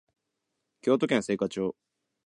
京都府精華町